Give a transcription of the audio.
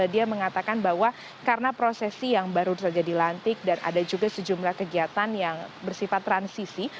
dia mengatakan bahwa karena prosesi yang baru saja dilantik dan ada juga sejumlah kegiatan yang bersifat transisi